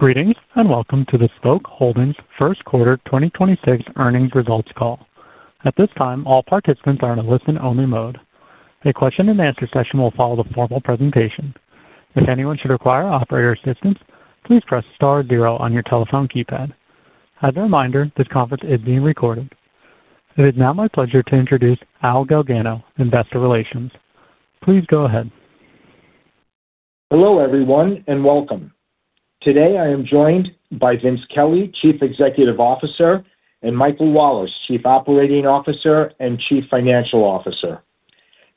Greetings, and welcome to the Spok Holdings First Quarter 2026 Earnings Results Call. At this time, all participants are in a listen-only mode. A Question and Answer session will follow the formal presentation. As anyone should require of our assistance, please press star zero on your telephone keypad. As a reminder, this conference is being recorded. It is now my pleasure to introduce Al Galgano, investor relations. Please go ahead. Hello, everyone, and welcome. Today, I am joined by Vincent Kelly, Chief Executive Officer, and Michael Wallace, Chief Operating Officer and Chief Financial Officer.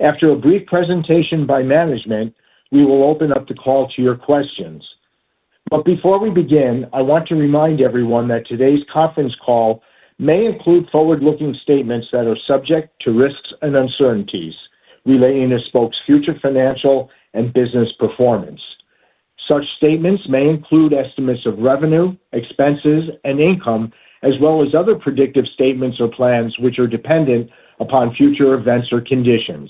After a brief presentation by management, we will open up the call to your questions. But before we begin, I want to remind everyone that today's conference call may include forward-looking statements that are subject to risks and uncertainties relating to Spok's future financial and business performance. Such statements may include estimates of revenue, expenses, and income, as well as other predictive statements or plans which are dependent upon future events or conditions.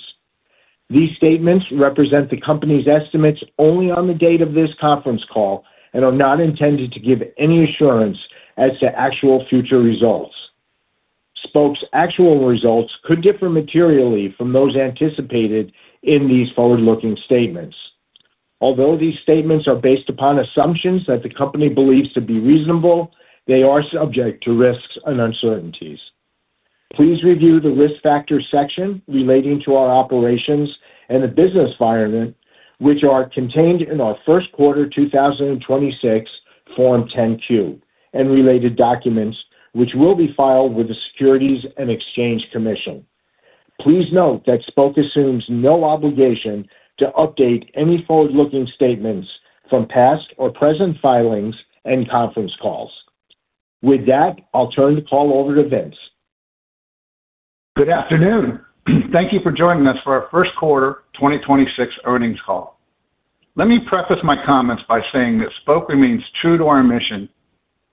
These statements represent the company's estimates only on the date of this conference call and are not intended to give any assurance as to actual future results. Spok's actual results could differ materially from those anticipated in these forward-looking statements. Although these statements are based upon assumptions that the company believes to be reasonable, they are subject to risks and uncertainties. Please review the Risk Factors section relating to our operations and the business environment, which are contained in our first quarter 2026 Form 10-Q and related documents, which will be filed with the Securities and Exchange Commission. Please note that Spok assumes no obligation to update any forward-looking statements from past or present filings and conference calls. With that, I'll turn the call over to Vince. Good afternoon. Thank you for joining us for Our First Quarter 2026 Earnings call. Let me preface my comments by saying that Spok remains true to our mission,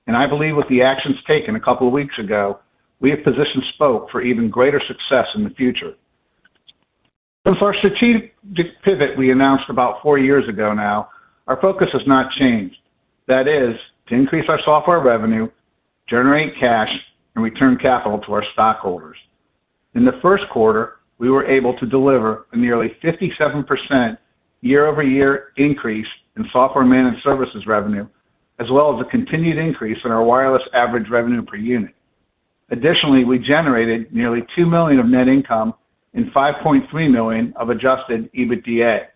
and I believe with the actions taken a couple of weeks ago, we have positioned Spok for even greater success in the future. Since our strategic pivot we announced about four years ago now, our focus has not changed. That is to increase our software revenue, generate cash, and return capital to our stockholders. In the first quarter, we were able to deliver a nearly 57% year-over-year increase in Software Managed Services revenue, as well as a continued increase in our wireless average revenue per unit. Additionally, we generated nearly $2 million of net income and $5.3 million of Adjusted EBITDA.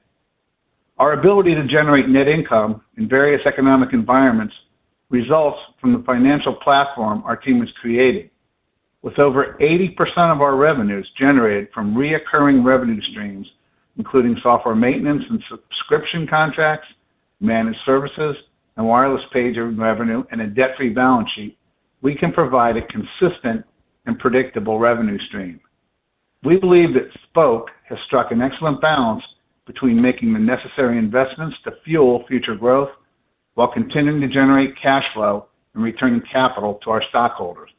Our ability to generate net income in various economic environments results from the financial platform our team has created. With over 80% of our revenues generated from recurring revenue streams, including software maintenance and subscription contracts, Managed Services, and wireless pager revenue, and a debt-free balance sheet, we can provide a consistent and predictable revenue stream. We believe that Spok has struck an excellent balance between making the necessary investments to fuel future growth while continuing to generate cash flow and returning capital to our stockholders.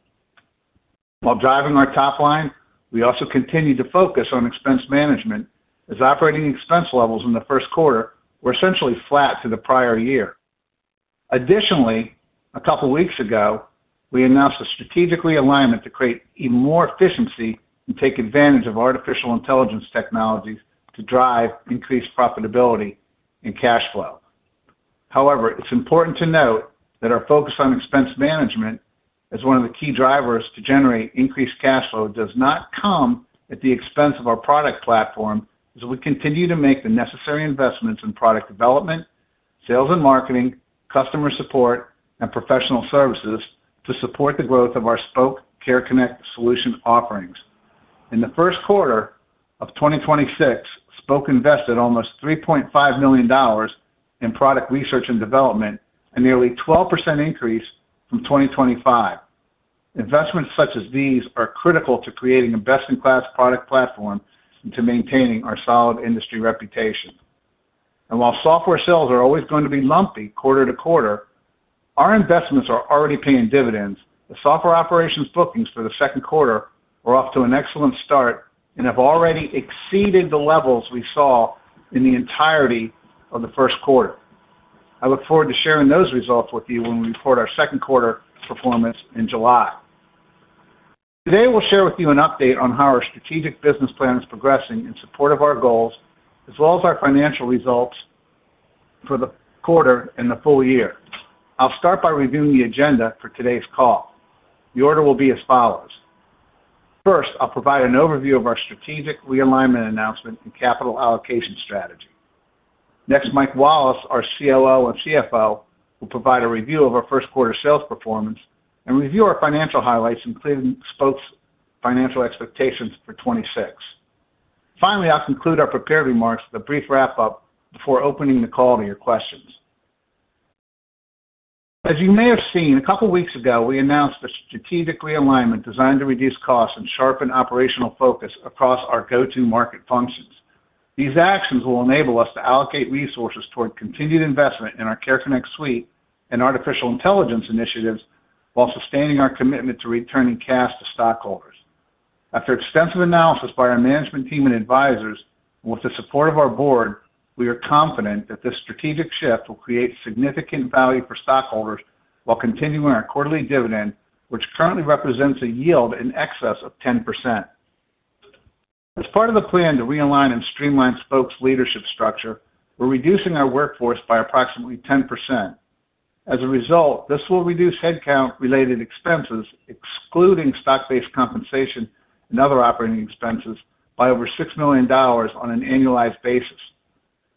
While driving our top line, we also continue to focus on expense management as operating expense levels in the first quarter were essentially flat to the prior year. Additionally, a couple weeks ago, we announced a strategic realignment to create even more efficiency and take advantage of artificial intelligence technologies to drive increased profitability and cash flow. However, it's important to note that our focus on expense management as one of the key drivers to generate increased cash flow does not come at the expense of our product platform as we continue to make the necessary investments in product development, sales and marketing, customer support, and Professional Services to support the growth of our Spok Care Connect solution offerings. In the first quarter of 2026, Spok invested almost $3.5 million in product research and development, a nearly 12% increase from 2025. Investments such as these are critical to creating a best-in-class product platform and to maintaining our solid industry reputation. While software sales are always going to be lumpy quarter to quarter, our investments are already paying dividends. The Software Operations bookings for the second quarter are off to an excellent start and have already exceeded the levels we saw in the entirety of the first quarter. I look forward to sharing those results with you when we report our second quarter performance in July. Today, we'll share with you an update on how our strategic business plan is progressing in support of our goals, as well as our financial results for the quarter and the full year. I'll start by reviewing the agenda for today's call. The order will be as follows. First, I'll provide an overview of our strategic realignment announcement and capital allocation strategy. Next, Mike Wallace, our COO and CFO, will provide a review of our first quarter sales performance and review our financial highlights, including Spok's financial expectations for 2026. Finally, I'll conclude our prepared remarks with a brief wrap-up before opening the call to your questions. As you may have seen, a couple weeks ago, we announced a strategic realignment designed to reduce costs and sharpen operational focus across our go-to market functions. These actions will enable us to allocate resources toward continued investment in our Care Connect suite and artificial intelligence initiatives while sustaining our commitment to returning cash to stockholders. After extensive analysis by our management team and advisors, and with the support of our board, we are confident that this strategic shift will create significant value for stockholders while continuing our quarterly dividend, which currently represents a yield in excess of 10%. As part of the plan to realign and streamline Spok's leadership structure, we're reducing our workforce by approximately 10%. As a result, this will reduce headcount related expenses, excluding stock-based compensation and other operating expenses by over $6 million on an annualized basis.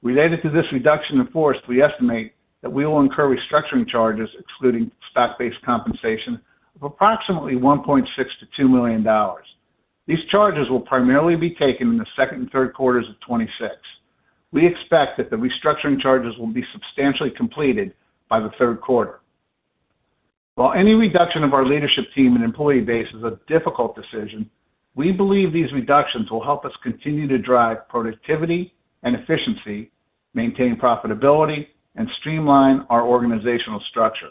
Related to this reduction in force, we estimate that we will incur restructuring charges, excluding stock-based compensation, of approximately $1.6 million-$2 million. These charges will primarily be taken in the second and third quarters of 2026. We expect that the restructuring charges will be substantially completed by the third quarter. While any reduction of our leadership team and employee base is a difficult decision, we believe these reductions will help us continue to drive productivity and efficiency, maintain profitability, and streamline our organizational structure.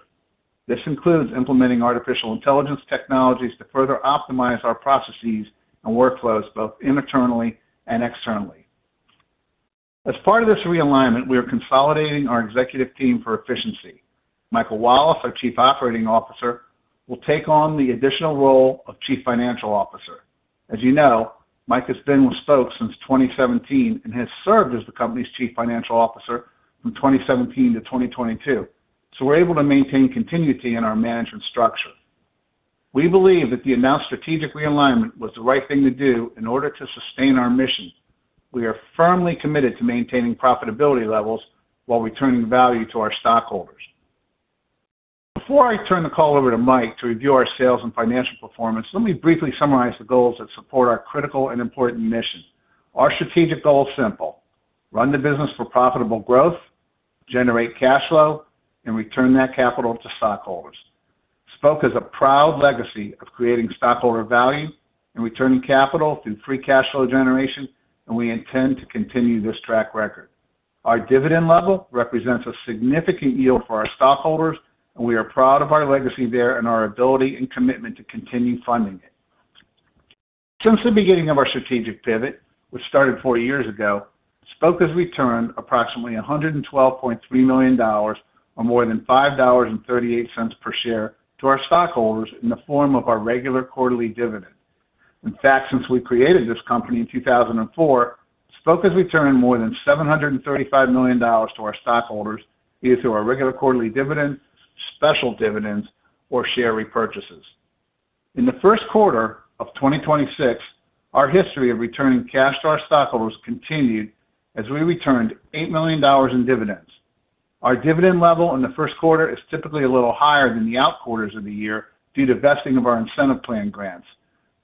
This includes implementing artificial intelligence technologies to further optimize our processes and workflows both internally and externally. As part of this realignment, we are consolidating our executive team for efficiency. Michael Wallace, our Chief Operating Officer, will take on the additional role of Chief Financial Officer. As you know, Mike has been with Spok since 2017 and has served as the company's Chief Financial Officer from 2017 to 2022, so we're able to maintain continuity in our management structure. We believe that the announced strategic realignment was the right thing to do in order to sustain our mission. We are firmly committed to maintaining profitability levels while returning value to our stockholders. Before I turn the call over to Mike to review our sales and financial performance, let me briefly summarize the goals that support our critical and important mission. Our strategic goal is simple: run the business for profitable growth, generate cash flow, and return that capital to stockholders. Spok has a proud legacy of creating stockholder value and returning capital through free cash flow generation. We intend to continue this track record. Our dividend level represents a significant yield for our stockholders. We are proud of our legacy there and our ability and commitment to continue funding it. Since the beginning of our strategic pivot, which started four years ago, Spok has returned approximately $112.3 million, or more than $5.38 per share to our stockholders in the form of our regular quarterly dividend. In fact, since we created this company in 2004, Spok has returned more than $735 million to our stockholders, either through our regular quarterly dividends, special dividends, or share repurchases. In the first quarter of 2026, our history of returning cash to our stockholders continued as we returned $8 million in dividends. Our dividend level in the first quarter is typically a little higher than the out quarters of the year due to vesting of our incentive plan grants.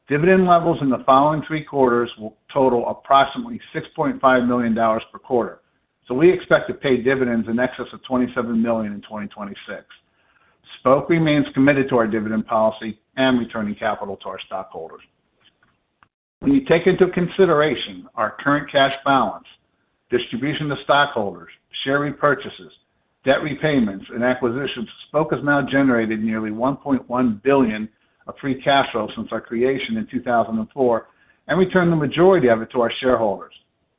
Dividend levels in the following three quarters will total approximately $6.5 million per quarter. We expect to pay dividends in excess of $27 million in 2026. Spok remains committed to our dividend policy and returning capital to our stockholders. When you take into consideration our current cash balance, distribution to stockholders, share repurchases, debt repayments, and acquisitions, Spok has now generated nearly $1.1 billion of free cash flow since our creation in 2004, and returned the majority of it to our shareholders.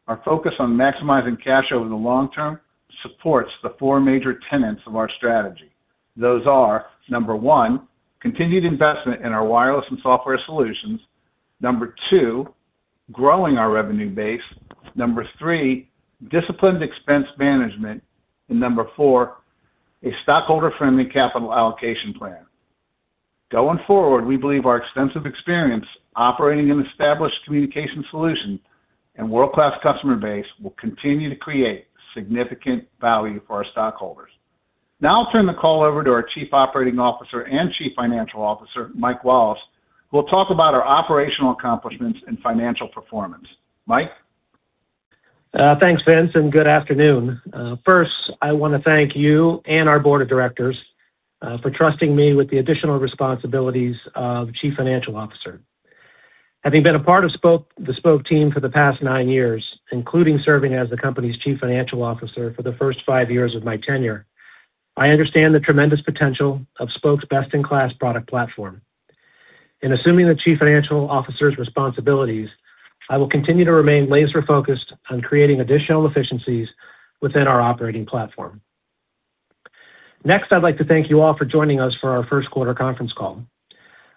Our focus on maximizing cash over the long term supports the four major tenets of our strategy. Those are, number one, continued investment in our wireless and software solutions. Number two, growing our revenue base. Number three, disciplined expense management. Number four, a stockholder-friendly capital allocation plan. Going forward, we believe our extensive experience operating an established communication solution and world-class customer base will continue to create significant value for our stockholders. Now I'll turn the call over to our Chief Operating Officer and Chief Financial Officer, Mike Wallace, who will talk about our operational accomplishments and financial performance. Mike? Thanks, Vince, and good afternoon. First, I want to thank you and our board of directors for trusting me with the additional responsibilities of Chief Financial Officer. Having been a part of the Spok team for the past nine years, including serving as the company's Chief Financial Officer for the first five years of my tenure, I understand the tremendous potential of Spok's best-in-class product platform. In assuming the Chief Financial Officer's responsibilities, I will continue to remain laser-focused on creating additional efficiencies within our operating platform. Next, I'd like to thank you all for joining us for our first quarter conference call.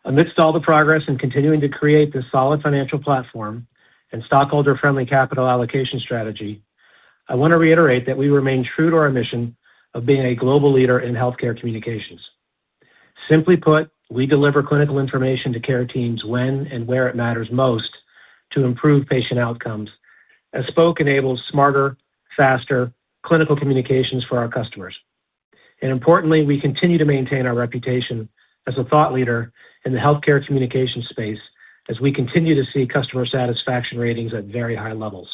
Amidst all the progress in continuing to create this solid financial platform and stockholder-friendly capital allocation strategy, I want to reiterate that we remain true to our mission of being a global leader in healthcare communications. Simply put, we deliver clinical information to care teams when and where it matters most to improve patient outcomes as Spok enables smarter, faster clinical communications for our customers. Importantly, we continue to maintain our reputation as a thought leader in the healthcare communication space as we continue to see customer satisfaction ratings at very high levels.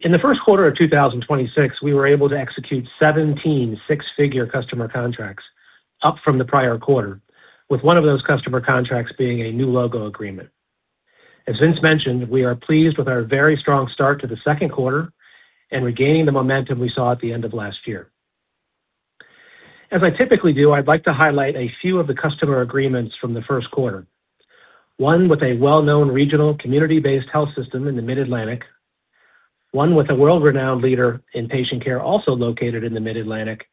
In the first quarter of 2026, we were able to execute 17 six-figure customer contracts up from the prior quarter, with one of those customer contracts being a new logo agreement. As Vince mentioned, we are pleased with our very strong start to the second quarter and regaining the momentum we saw at the end of last year. As I typically do, I'd like to highlight a few of the customer agreements from the first quarter. One with a well-known regional community-based health system in the Mid-Atlantic, one with a world-renowned leader in patient care also located in the Mid-Atlantic,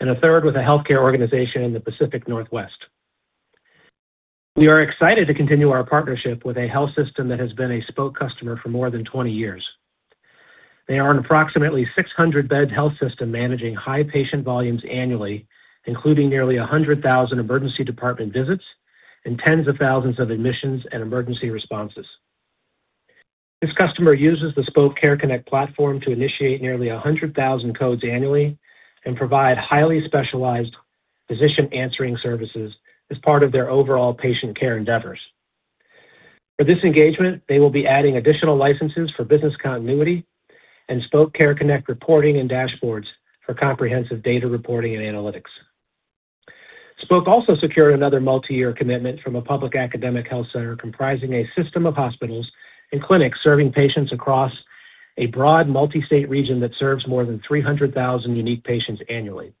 and a third with a healthcare organization in the Pacific Northwest. We are excited to continue our partnership with a health system that has been a Spok customer for more than 20 years. They are an approximately 600-bed health system managing high patient volumes annually, including nearly 100,000 emergency department visits and tens of thousands of admissions and emergency responses. This customer uses the Spok Care Connect platform to initiate nearly 100,000 codes annually and provide highly specialized physician answering services as part of their overall patient care endeavors. For this engagement, they will be adding additional licenses for business continuity and Spok Care Connect reporting and dashboards for comprehensive data reporting and analytics. Spok also secured another multi-year commitment from a public academic health center comprising a system of hospitals and clinics serving patients across a broad multi-state region that serves more than 300,000 unique patients annually.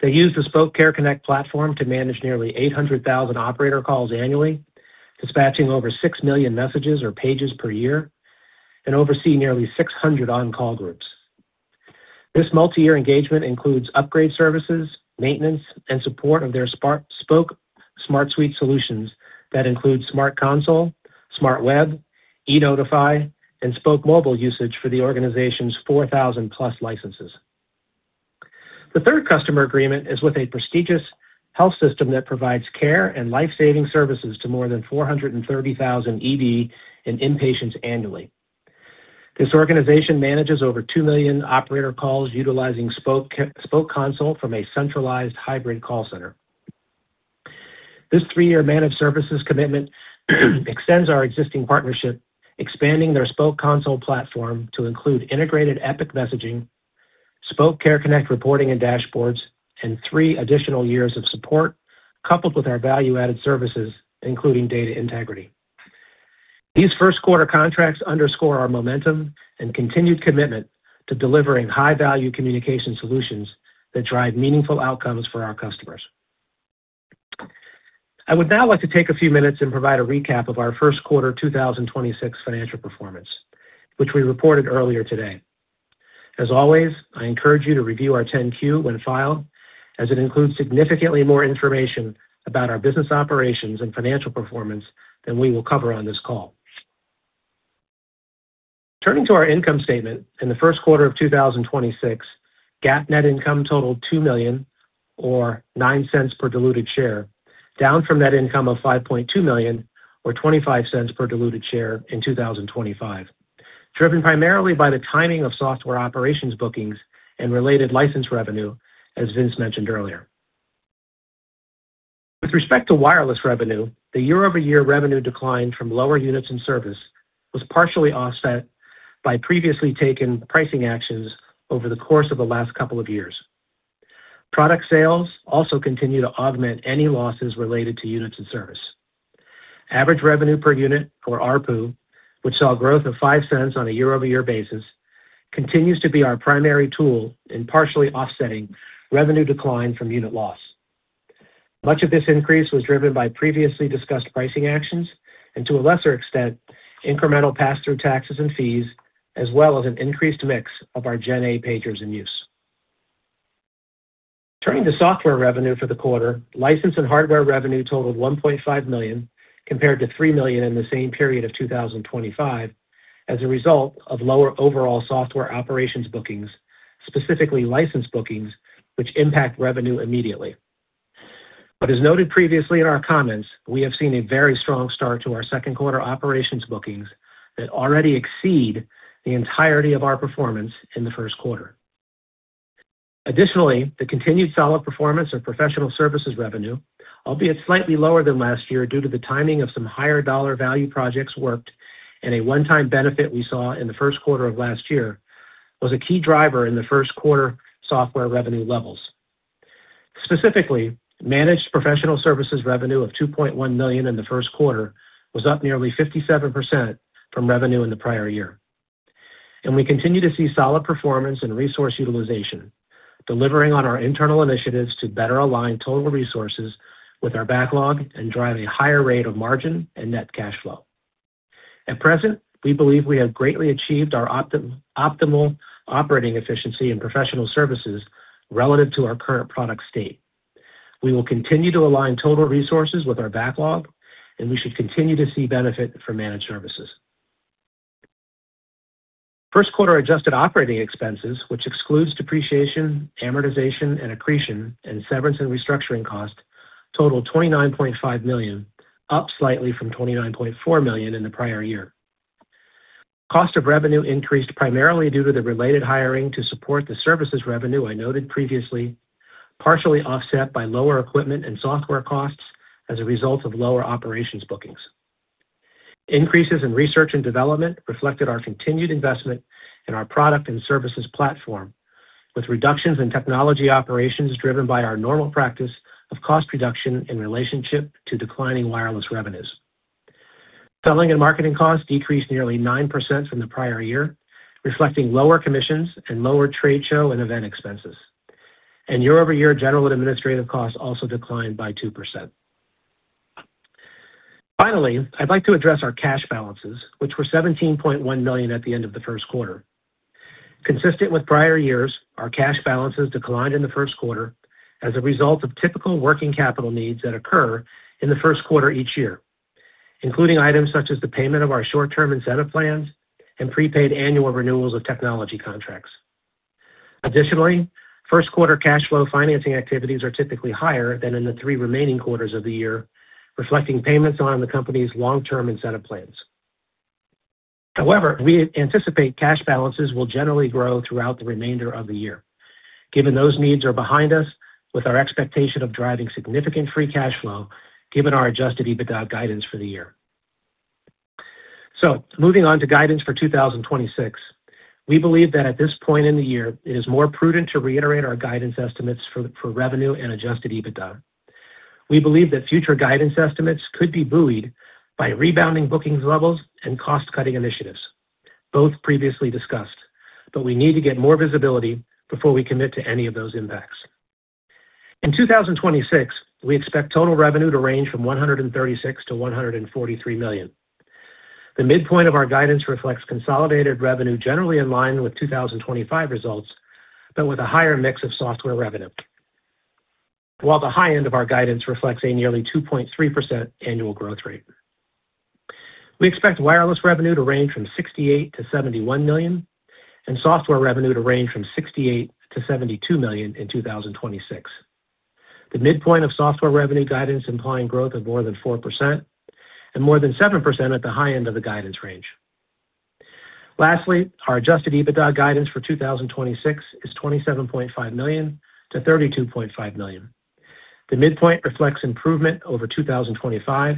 They use the Spok Care Connect platform to manage nearly 800,000 operator calls annually, dispatching over 6 million messages or pages per year, and oversee nearly 600 on-call groups. This multi-year engagement includes upgrade services, maintenance, and support of their Spok Smart Suite solutions that include Smart Console, Smart Web, eNotify, and Spok Mobile usage for the organization's 4,000+ licenses. The third customer agreement is with a prestigious health system that provides care and life-saving services to more than 430,000 ED and inpatients annually. This organization manages over 2 million operator calls utilizing Spok Console from a centralized hybrid call center. This three-year Managed Services commitment extends our existing partnership, expanding their Spok Console platform to include integrated Epic messaging, Spok Care Connect reporting and dashboards, and three additional years of support, coupled with our value-added services, including data integrity. These first quarter contracts underscore our momentum and continued commitment to delivering high-value communication solutions that drive meaningful outcomes for our customers. I would now like to take a few minutes and provide a recap of our first quarter 2026 financial performance, which we reported earlier today. As always, I encourage you to review our 10-Q when filed, as it includes significantly more information about our business operations and financial performance than we will cover on this call. Turning to our income statement, in the first quarter of 2026, GAAP net income totaled $2 million or $0.09 per diluted share, down from net income of $5.2 million or $0.25 per diluted share in 2025, driven primarily by the timing of Software Operations bookings and related license revenue, as Vince mentioned earlier. With respect to wireless revenue, the year-over-year revenue decline from lower units in service was partially offset by previously taken pricing actions over the course of the last couple of years. Product sales also continue to augment any losses related to units in service. Average revenue per unit, or ARPU, which saw growth of $0.05 on a year-over-year basis, continues to be our primary tool in partially offsetting revenue decline from unit loss. Much of this increase was driven by previously discussed pricing actions and, to a lesser extent, incremental pass-through taxes and fees, as well as an increased mix of our GenA pagers in use. Turning to software revenue for the quarter, license and hardware revenue totaled $1.5 million compared to $3 million in the same period of 2025 as a result of lower overall Software Operations bookings, specifically license bookings, which impact revenue immediately. As noted previously in our comments, we have seen a very strong start to our second quarter Software Operations bookings that already exceed the entirety of our performance in the first quarter. Additionally, the continued solid performance of Professional Services revenue, albeit slightly lower than last year due to the timing of some higher dollar value projects worked and a one-time benefit we saw in the first quarter of last year, was a key driver in the first quarter software revenue levels. Specifically, managed Professional Services revenue of $2.1 million in the first quarter was up nearly 57% from revenue in the prior year. We continue to see solid performance in resource utilization, delivering on our internal initiatives to better align total resources with our backlog and drive a higher rate of margin and net cash flow. At present, we believe we have greatly achieved our optimal operating efficiency in Professional Services relative to our current product state. We will continue to align total resources with our backlog, and we should continue to see benefit for Managed Services. First quarter adjusted operating expenses, which excludes depreciation, amortization, and accretion and severance and restructuring costs, totaled $29.5 million, up slightly from $29.4 million in the prior year. Cost of revenue increased primarily due to the related hiring to support the services revenue I noted previously, partially offset by lower equipment and software costs as a result of lower operations bookings. Increases in research and development reflected our continued investment in our product and services platform, with reductions in technology operations driven by our normal practice of cost reduction in relationship to declining wireless revenues. Selling and marketing costs decreased nearly 9% from the prior year, reflecting lower commissions and lower trade show and event expenses. Year-over-year general and administrative costs also declined by 2%. Finally, I'd like to address our cash balances, which were $17.1 million at the end of the first quarter. Consistent with prior years, our cash balances declined in the first quarter as a result of typical working capital needs that occur in the first quarter each year, including items such as the payment of our short-term incentive plans and prepaid annual renewals of technology contracts. Additionally, first quarter cash flow financing activities are typically higher than in the three remaining quarters of the year, reflecting payments on the company's long-term incentive plans. However, we anticipate cash balances will generally grow throughout the remainder of the year, given those needs are behind us with our expectation of driving significant free cash flow, given our Adjusted EBITDA guidance for the year. Moving on to guidance for 2026. We believe that at this point in the year, it is more prudent to reiterate our guidance estimates for revenue and Adjusted EBITDA. We believe that future guidance estimates could be buoyed by rebounding bookings levels and cost-cutting initiatives, both previously discussed. But we need to get more visibility before we commit to any of those impacts. In 2026, we expect total revenue to range from $136 million-$143 million. The midpoint of our guidance reflects consolidated revenue generally in line with 2025 results, but with a higher mix of software revenue. While the high end of our guidance reflects a nearly 2.3% annual growth rate. We expect wireless revenue to range from $68 million-$71 million and software revenue to range from $68 million-$72 million in 2026. The midpoint of software revenue guidance implying growth of more than 4% and more than 7% at the high end of the guidance range. Lastly, our Adjusted EBITDA guidance for 2026 is $27.5 million-$32.5 million. The midpoint reflects improvement over 2025,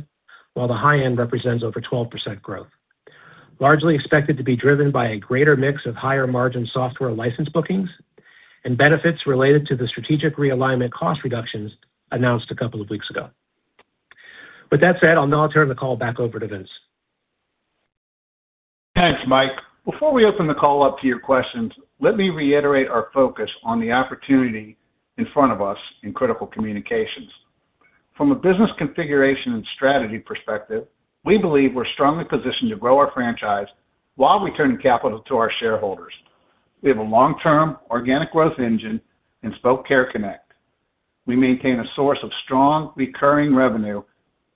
while the high end represents over 12% growth, largely expected to be driven by a greater mix of higher margin software license bookings and benefits related to the strategic realignment cost reductions announced a couple of weeks ago. With that said, I'll now turn the call back over to Vince. Thanks, Mike. Before we open the call up to your questions, let me reiterate our focus on the opportunity in front of us in critical communications. From a business configuration and strategy perspective, we believe we're strongly positioned to grow our franchise while returning capital to our shareholders. We have a long-term organic growth engine in Spok Care Connect. We maintain a source of strong recurring revenue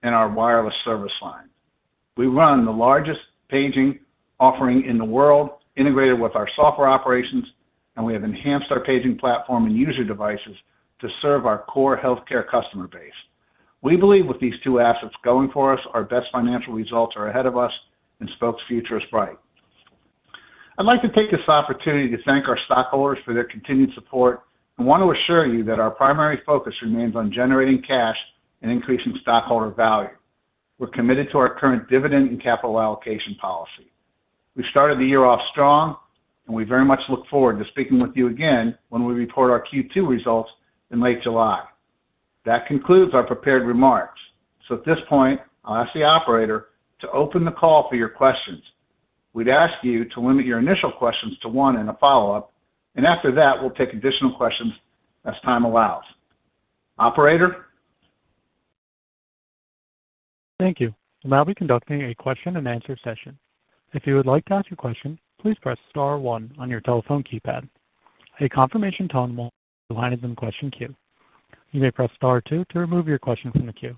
in our wireless service line. We run the largest paging offering in the world integrated with our software operations, and we have enhanced our paging platform and user devices to serve our core healthcare customer base. We believe with these two assets going for us, our best financial results are ahead of us and Spok's future is bright. I'd like to take this opportunity to thank our stockholders for their continued support and want to assure you that our primary focus remains on generating cash and increasing stockholder value. We're committed to our current dividend and capital allocation policy. We started the year off strong, we very much look forward to speaking with you again when we report our Q2 results in late July. That concludes our prepared remarks. At this point, I'll ask the operator to open the call for your questions. We'd ask you to limit your initial questions to one and a follow-up, after that, we'll take additional questions as time allows. Operator? Thank you. While we're conducting a Question and Answer session, if you would like to ask your question, please press star one on your telephone keypad. A confirmation tone [inaudible] behind [inaudible] question kit you may press start two to remove your question from the queue.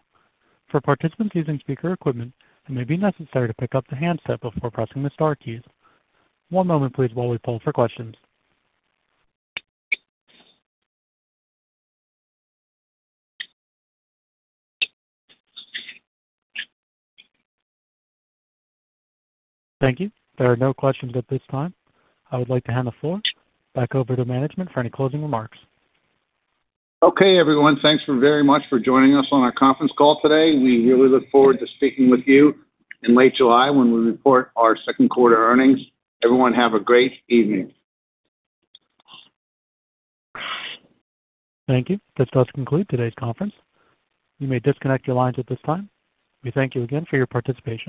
For participants using speaker equipment, maybe necessary to pick up a handset or pressing the star keys. One moment please while we pull your question. Thank you. The are no question at this time. I would like to hand the floor back over to management for any closing remarks. Okay, everyone. Thanks for very much for joining us on our conference call today. We really look forward to speaking with you in late July when we report our second quarter earnings. Everyone, have a great evening. Thank you. This does conclude today's conference. You may disconnect your lines at this time. We thank you again for your participation.